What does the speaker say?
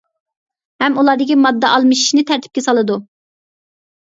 ھەم ئۇلاردىكى ماددا ئالمىشىشنى تەرتىپكە سالىدۇ.